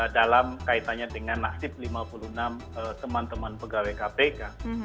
dalam kaitannya dengan nasib lima puluh enam teman teman pegawai kpk